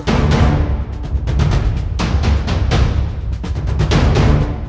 kita tidak bisa menangkap kian santang